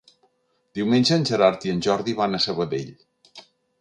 Diumenge en Gerard i en Jordi van a Sabadell.